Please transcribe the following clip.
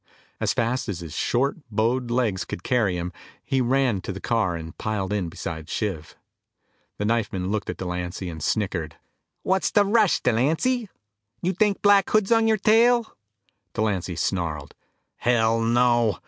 As fast as his short bowed legs would carry him, he ran to the car and piled in beside Shiv. The knifeman looked at Delancy and snickered. "What's the rush, Delancy? You think Black Hood is on your tail?" Delancy snarled, "Hell, no!